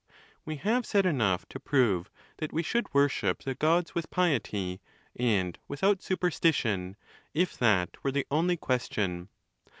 We have said enough to prove that we should worship the Gods with pie%, and without superstition, if that vrere the only question.